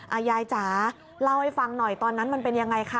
ยายจ๋าเล่าให้ฟังหน่อยตอนนั้นมันเป็นยังไงคะ